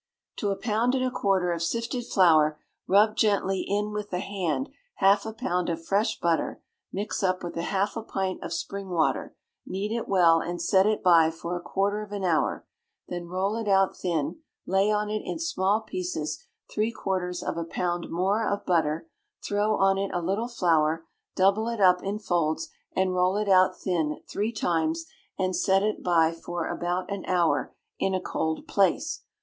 To a pound and a quarter of sifted flour, rub gently in with the hand half a pound of fresh butter, mix up with half a pint of spring water, knead it well, and set it by for a quarter of an hour; then roll it out thin, lay on it in small pieces three quarters of a pound more of butter, throw on it a little flour, double it up in folds, and roll it out thin three times, and set it by for about an hour in a cold place.